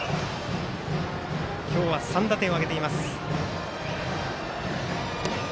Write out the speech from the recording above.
今日は３打点を挙げています。